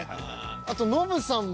あとノブさんも。